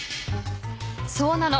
そうなの。